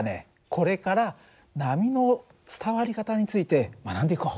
これから波の伝わり方について学んでいこう！